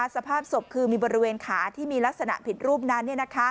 สภาพศพคือมีบริเวณขาที่มีลักษณะผิดรูปนั้น